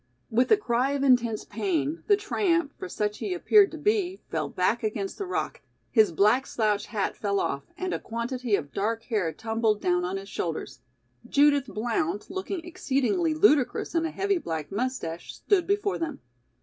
With a cry of intense pain, the tramp, for such he appeared to be, fell back against the rock, his black slouch hat fell off, and a quantity of dark hair tumbled down on his shoulders. Judith Blount, looking exceedingly ludicrous in a heavy black mustache, stood before them.